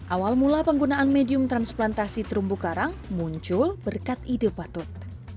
awal mula penggunaan medium transplantasi terumbu karang muncul berkat ide patut